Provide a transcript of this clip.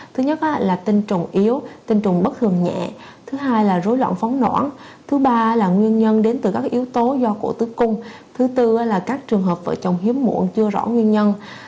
thứ nhất là tinh trùng yếu tinh trùng bất thường nhẹ thứ hai là rối loạn phóng nổ thứ ba là nguyên nhân đến từ các yếu tố do cổ tử cung thứ tư là các trường hợp vợ chồng hiếm muộn chưa rõ nguyên nhân